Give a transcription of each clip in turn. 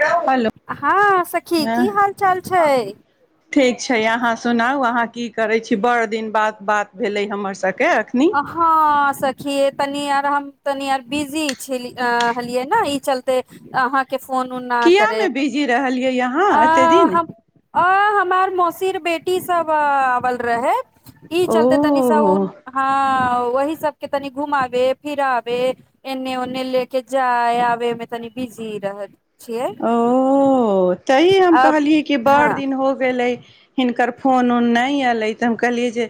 hello हँ सखी की हाल चाल छै ठीक छै अहाँ सुनाउ अहाँ की करै छी बड़ दिन बाद बात भेले हमर सबके आ हँ सखी तनी आराम तनी आर बिजी छललियै ने ई चलते अहाँ कििया मे बिजी रहलियै यहाँ एतेक दिन अ हमर मौसीर बेटी सब आवल रहे ई ओ चलते तनीसा उऊन ह ओह सबके तनि घुमबे फिराबे एने ओने ले के जाय आबे मे तनि बिजी रह छ [inaudible] तहि हम कहलियए कि बार दिन हो गेल ल हिनकर फोन उऊन न एल त से हम कहलिए जे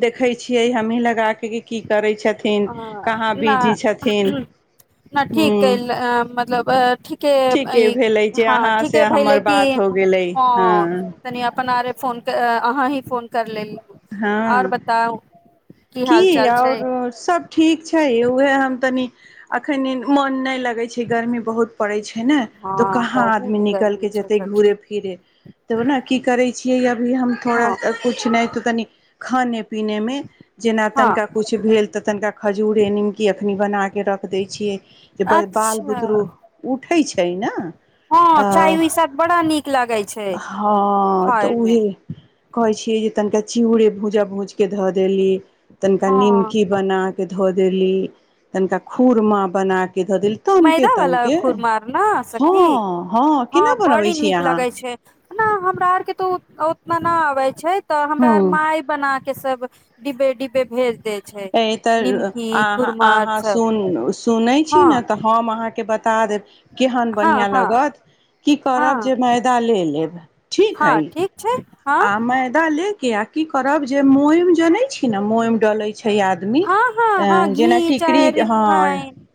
देखे छियै हमही लगा के की करै छै हँ नहि नहि ठीक ह्म ह मतलब ठ ठीके भेलै जे हँ अहाँसँ ठीके भहिल हमर की बात हो गेलै ह हँ तनी अपन अरे फोन अहाँ ही फोन कर लेब आओर हँ बताउ हाल की चाल छै आओर सब ठीक छै उएह हम तनि अखन मोन नहि लगै छै गर्मी बहुत पड़ै छै छै ने तो हँ कहाँ आदमी बहुत निकल गर्मी के छै जेते घूे सखी फिरे तब ने की करे छै छिय यब भी हम थोड़ा हँ कछ नहि तऽ तनि खाने पीने मे जेना हँ तनिका कुछ भेल ते तनिका खजूरे निमकी तखनी बनाक रख दै छियै जे बाल अच्छा बुतरू उठै छै ने हँ अ चाय उइ साथ बड़ा नीक लागै छै हँ खाय तऽ मे उहे कहै छियै जे तनिके चिड़े भूजा भूजिके धऽ देली तनिका हँ निमकी बना क धे देली तनिका खुर मे बनाक मैदा वाला खुरमाार ने हँ सखी हँ केना बनबै बड़ी छी नीक अहाँ लगै छैना हमरा आरके तो बनाबै छै तऽ हमरा आर हूँ माय बना के के सब डि्बे डिबे भेज दे ऐ तऽर अहाँ आर अहाँ सब सुन सुने छी हँ त हम अहाँ के बता दे केहन हँ बढ़िआँ हँ लागत की हँ करब जे मैदा ले लेब ठीक हँ हइ ठीक छै हँ आमेदनि के आ की करब जे मोम जनै छी न मोम डले छै छै आदमी हँ हँ हँ घी जेना टिकरी चाहे हँ रिफाइन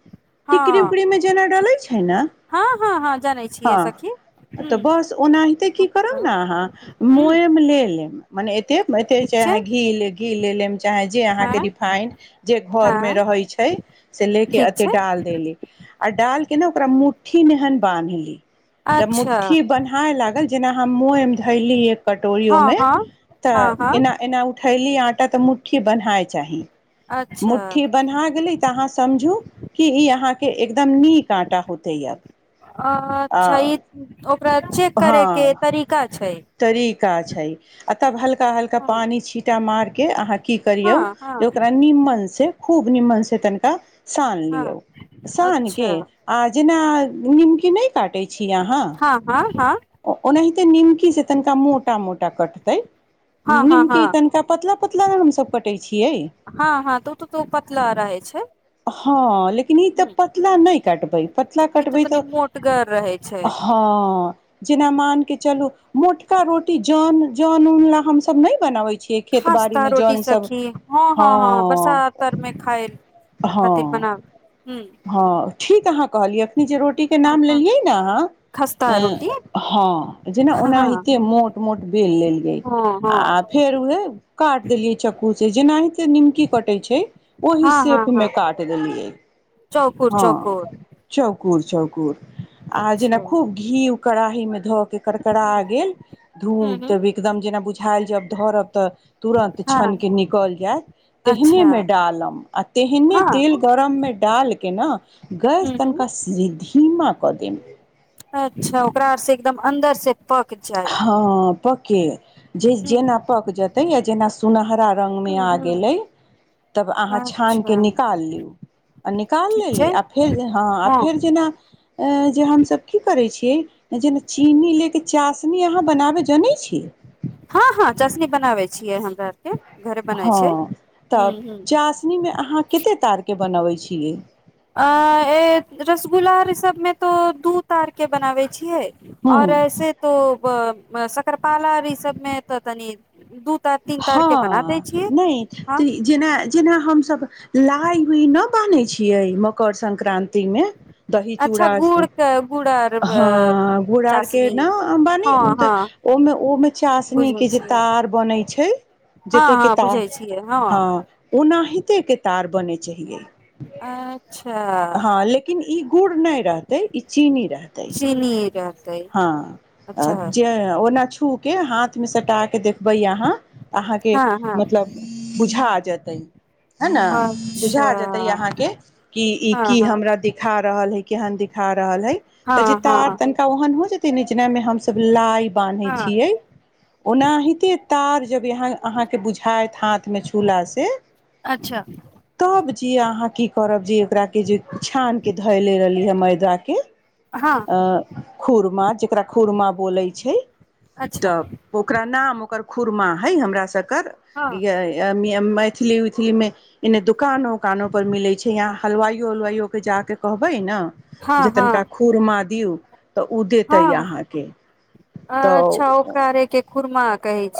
हँ टिकरी उकरी मे जेना डले छै ने हँ हँ हँ जानै छियै ह सखी तऽ ह बस ओनाहिते की करब ह ने अहाँ मने एत त मैथि ठीक छै चाहे घी कि लेब चाहे जे हँ अहाँके रिफाइंड जे घर मे हँ रहै छै से ले के ठीक त छै डाल देेल आओर डालके ने ओकरा मुट्ठी नहिहन बान्हली अच्छा ठी बन्ह लल जे खैलीए हँ कटोरोमे हँ हँ हँ तऽ एना एना थैली आँटा तऽ मुट्ठी बनायइ चाही अच्छा मुठ्ठी बन्हा गेलै तऽ अहाँ समझू क ई अहाँके एकदम नीक आटा होते अब आ अच्छा ई ओकरा चेक करे के हँ तरीका छै तरीका छै आ तब हल्का हल्का हँ पानि छीिटा मार के अहाँ की करियौ हँ जे हँ ओकरा निमनसँ खूब निम्मनस हेतनि क सान लिय हँ ओ सान के अच्छा आज जेना नीमक नहि काटै छी अहाँ हँ हँ हँ ओ ओनाहि निमकी छै तनिका मोटा मोटा कटतै हँ हँ निमकी हँ तनका पतला प हम सब पटै छै हँ हँ तू तऽ तो पतला रहै छै हँ ल ल तऽ हूँ, पतला नहि कटबै पतला ई कटबै तनी तऽ मोटगर रहै छै हँ जेना मान के चल मोटका रोटी जन जन उन ला हमस नहि बनाबे छी खासताा रोटी सखी हँ हँ हँ बरसातातर मे खााय हँ खातिर बनाब हूँ हँ ठीक अहाँ कहलियै रोटी के हँ नाम हँ लेलियै ने खस्ता रोटी अह हँ जेना हँ हँ ओनाहिते मोट मोट बेल लेलियै हँ आ फेर उहे काट देलियै चक सेजना निमकी कटै छै ओहि हँ हँ सेप हँ मे काट देलियै चौकोर हँ चौकोर चौ कुकुर चौकुर आ अच्छा जेना हूँ खूब घी कड़ाही मे धऽ के करकरा गेल धूम हूँ हूँ, तब एकदम जेना बुझाायल जब धरप [unintelligible] केना हँ अच्छा हँ गैस हूँ हूँ तननका सिद्धि किीमा कदम अच्छा ओकरा आर से एकदम अन्दर से पक जाय हँ पके जे हूँ जेना पक जेतै या जेना सुनहरा हूँ हूँ त अाँ छ अच्छा न ल आ निक ठीक लेली छै फेर हँ फेर जेना जे हमसभ की करै छियै जेना चीनी ले के चास तनी अहाँ बनाबै जनैत छी हँ हँ चशनी बनाबै छियै हम हँ तऽ हूँ हूँ चाासनी मे अहाँ कते तार के बनबै छियै अ रसगुल्ला र सबमे तो दूध तार के बनाबै छियै हँ और ऐसे तो क्रपालाला ई सब मे त तनि दू तार तीन तार के बना दै हँ छियै नहि त हँ जेना जेना हमस लइ हो न बान्ै छियै मकर सं संक्रान्ति मे दही अच्छा चूड़ा गुड़ के गुड़ आर ह घुड़ के चाशनी नेबानी हँ हँ ओमे ओमे चशनी बुझै के जे छियै तार बनै छै हँ जेत कि हँ त बुझै छियै हँ ओनाहिते तार बने चाए अछा हँ लेकिन ई गुड़ न रहते ई चीनी रहतै चनीीर हँ जे ओना छू के हाथ मे सटा के देखबै अहाँ ऽ अहाँके हँ हँ मतलब बुझा जतै हे ने अच्छा बुझा जेतै अहाँके कि ई हँ की हँ हमरा दा रहल है केहन दिखार रहल है तऽ हँ जितना आओर हँ तनिका ओ हो जेतै जेना मे हमस लाइव बान्है हँ छियै ओनाहिते तार जबह अहाँके बुझायत हाथ मे झूला से अच्छा जी अहाँ की करब जे ओकरा के जे छान के धय ले रहली हे मैदा के हँ आ खुरमा जेकरा खुरमा बोलै छै अच्छा तऽ पोकरा न मुकर खुरमा है हमरा सबके कर हँ य मिी मैथिली उथी मे एने दुकानो उकानो पर मिले छै यहा हलवायो उलवाइयो के जााक कहबे ने जे हँ तनिका हँ खुरमा दिऔ हँ तऽ अच्छा ओके के खुुरमा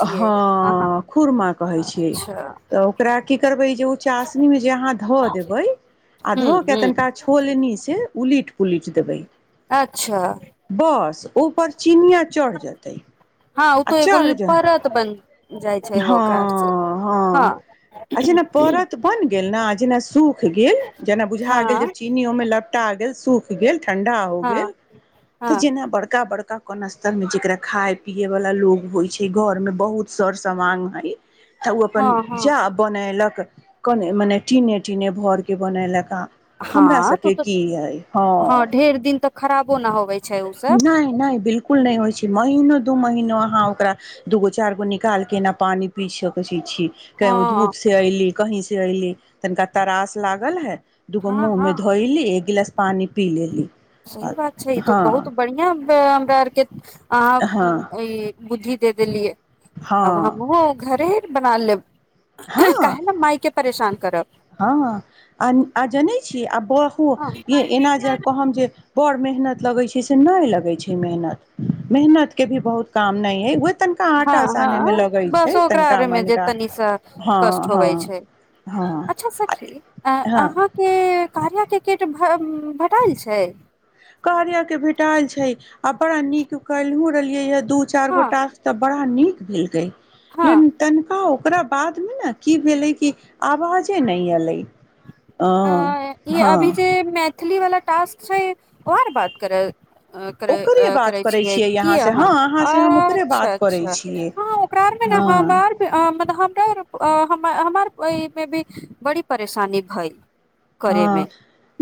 हँ खुरमा कहैत छियै अच्छा तऽ ओकरा की करबै जे ओ चासनीमे जे अहाँ धऽ देबै आ हूँ धऽ के हूँ तनिका छोलनीसँ उलिट पुलिज देबै अच्छा बस ओपर चिनिया चढ़ जेतै हँ ओ आ तो एगो चढ़ परत बन जाइ हँ छै ओकरा से हँ हँ आ जेना परत बन गेल ने जेना सूख गेल जेना बुझा गेल ज हँ चीनी ओहिमे लपटा गेल तूक गेल ठणंडा हो ग हँ त हँ जना बड़का बड़का कोन अ स्तर मे जेकरा खााय पी वाला लोग होय छै घर में बहुत सर समांग है तऽ ओ हँ अपन हँ जा बनलक कोने मने टनेे टनेे भर के बनयलखा हँ तू तऽ हँ ढेर दिन तऽ खराब कोना हो नहि नहि बिलकुल नहि होइ छै महिनो दू महिनो आ ह ओकरा दूगो चार गो निकाल के न पानी पी सकैत छी छीी केँ हँ धूप से अली कही से सि अऐली तनिका तारास लागल हे दूगो हँ हँ मुममे धइली एक गिलास पानि पी लेली सह हँ बात छै ई त बहुत हँ बढ़ििया हमरा आरके अहाँ ई बुद्धि दे देलियै अब हँ हम घरे बना लेब हँ काहे ने माय के परेशान करब हँ आ आ जने ब हँ एना जा कह जे बड़ मे लगै छै से नहि लगै छै मेहत मेहनत के भी बहुत काम नहि ह तनिका हँ आटा साने मे हँ लगैत बस छै ओकरा तनिका आरमे जे मनिका तनी हँ कष्ट होब हँ छै हँ अच्छा सी हँ अहाँके कार्या केकेट भटाल छै कहरिया के भेटल छै आ बड़ा नीक कहलहु रहलियै ह दू चार गो हँ टास्क तऽ बढ़ानी बलकै हँ लिम तन कह ओ ओकरा बादमे ने की भेलै कि आवाजे नहि एयलै अ ई अभी जे पछलीवला टास्क छै आर बात कर कर ओकरे बात करै छियै क यहाँ से हँ से हम अहाँ ओकरे अच्छा बात करै अच्छा छियै हँ ओकरा आरमे ने हँ हमतलब हमरा ओहिमे भी बड़ी परेशानी भेल हँ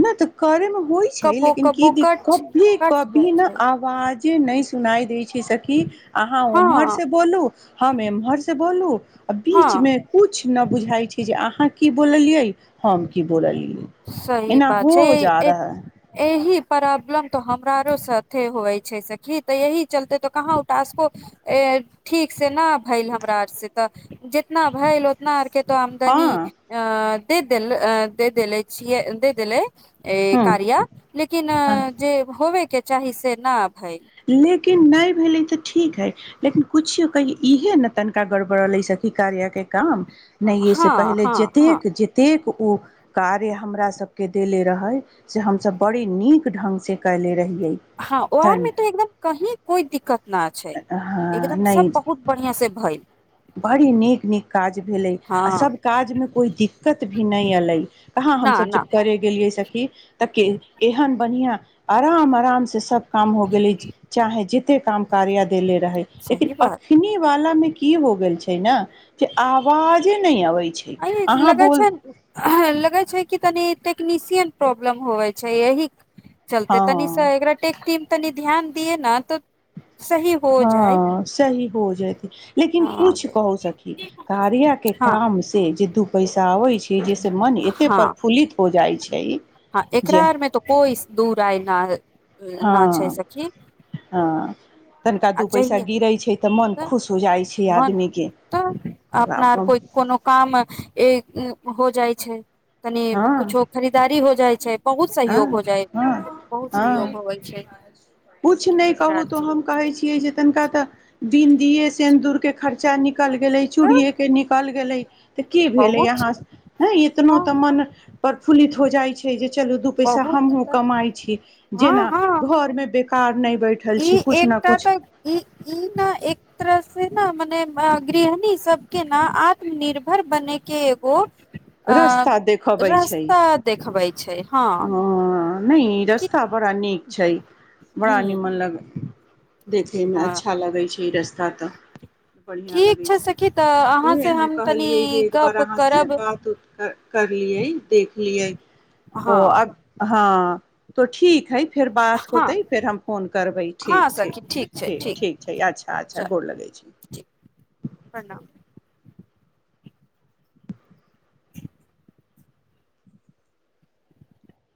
नहि तऽ करे मे होइ छै कबो लेकिन की कबो द कट कभी कट जाइ कभी ने छै आवाजे नहि सुनाइ दै छै सखी अहा उम्हर हँ से बोलु हम एम्हर से बोलु आ बीच हँ मे कुछ नहि बुझाइ छै जे अहाँ की बोललियै हम की बोललियै सही एना बात हो छै जा रहा है एहिह प्रॉब्लम तऽ हमरा आरसँ अथे होइ छै सखी तऽ एहिह चलते तऽ कहाँ उटाासको ठीकसँ नहि भेल हमरा आरसँ तऽ जितना भएल उतना आरके तो आमदनी हँ अ त दिल अ दे देले सि एइेलै ए हँ कारिया लेकिन हँ जे होबय के चाही से न भइल न लेकिन नहि भेलै तऽ ठीक हइ लेकिन किछियौ कहियौ इहे ने तनिका गड़बड़लै सखी कार्यके काम नहि से हँ पहिले हँ हँ जतेक जतेक उ कार्य हमरा सब के देेले रहे से हम सब बड़ी नीक ढंग से कयले रहहि हँ ओ आरमे तऽ एकदम कही कोई दिक्कत न छै हँ एकदम सब नहि बहुत बढ़िया से भय बड़ी नीक नीक काज भेलै आ हँ सब काज मे कोइ दिक्कत भी नहि अलय कहाँ न हमस न जब करे गेलियै सखी तऽ के एहन बढ़िआँ आराम आराम से सब काम हो गेली चाहे जितना काम कर्य अ देले रहै लेकिन सही बात अखनी वाल मे इ हो गेल छै ने जे आवाजे न अबे छै अहाँ बोल हँ लगे छै कि तने तकनिशियन प्रॉब्लम होइ छै अह चलते हँ तनीशा एकगरा टेकती तनि ध्यान दिए ने तऽ सही हो जाइ हँ सही हो जाइते लेकिन हँ कुछ कहू सकी कार्य के हँ काम से जे दुःख पैसा होै जाहिस मन एते हँ प्रफुल्लित हो जाइ छै हँ एकरा जे आर मे तो कोइ दू राय न न छै हँ सखी हँ तनिका आ दू पैसा गिरै छै तऽ मन जइया खुश हो जाइ छै मन आदमीके तऽ अपनार हँ कोइ कोनो काम हो जाइ छै कनि किुछो खरीदारी हो जाइ छै बहुत सहयोग हो जाइ ह बहुत सहयोग होबै छै किछ नहि एकरा कहू आर तऽ से हम कहै छियै जे तनिका तऽ दिन दीए सेनदूरके खर्चा निकलि गेलै तऽ चूड़िये के निकलि गेलै तऽ के भेलै बहुत यहाँ हँ इतनो तऽ मन प्रफुल्लित हो जाइ छै जे दु पैसा बहुत हमहू त कमाए छी हँ जेना हँ घर मे देख कार नहि बैठल छी ई कुछ ने एकटा कुछ तऽ ई ई नहि एक तर से ने मने गृहणी सबके ने आत्मनिर्भर बने के एगो अ रस्ता देखबै छै रास्ता देखबे छै हँ हँ नहि कि रस्ता बड़ा नीक छै बड़ा हूँ निमन लग देखैमे हँ अच्छा लगै छै रास्ता तऽ बढ़िआँ ठीक लगै छै सखी तऽ अहाँ उएहे से हम तनी कहलियै जे एक बार गप अहाँसँ करब बात उत कर करलियए देखलियए हँ तो अ हँ तऽ ठीक हइ फेर बात हँ होतै फेर हम फोन करबै ठीक हँ ठीक सखी छै ठीक ठीक छै अच्छा अच्छा चल गोर लगै ठीक छै प्रणाम [inaudible]